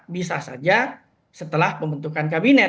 bisa saja setelah pembentukan kabinet